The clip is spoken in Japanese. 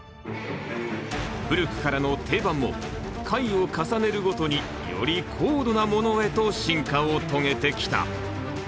古くからの定番も回を重ねるごとにより高度なものへと進化を遂げてきた。